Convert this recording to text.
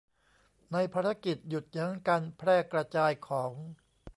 ในภารกิจหยุดยั้งการแพร่กระจายของ